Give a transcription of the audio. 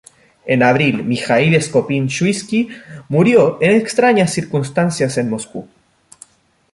En abril, Mijaíl Skopín-Shuiski murió en extrañas circunstancias en Moscú.